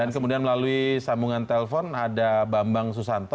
dan kemudian melalui sambungan telepon ada bambang susanto